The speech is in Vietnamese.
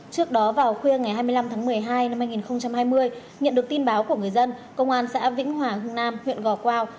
trước đó vào khuya ngày hai mươi năm tháng một mươi hai năm hai nghìn hai mươi nhận được tin báo của người dân công an xã vĩnh hòa hương nam huyện gò quao